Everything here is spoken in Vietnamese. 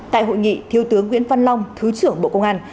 tại hội nghị thiếu tướng nguyễn văn long thứ trưởng bộ công an